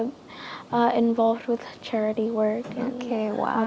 terlibat dalam kerja syarikat